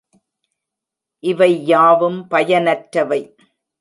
இவை யாவும் பயனற்றவை.